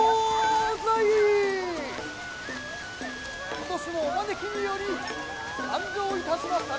今年もお招きにより参上いたしましたる